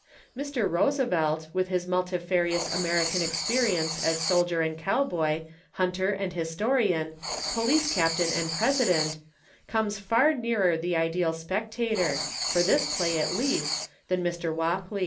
Mr. Roosevelt, with his multifarious American experience as soldier and cowboy, hunter and historian, police captain and President, comes far nearer the ideal spectator, for this play at least, than Mr. Walkley.